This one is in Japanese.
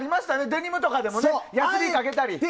デニムとかでもヤスリかけたりね。